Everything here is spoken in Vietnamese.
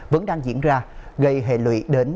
vẫn đang diễn ra gây hệ lụy đến